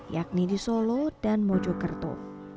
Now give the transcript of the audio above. yakni di solo dan mojokerto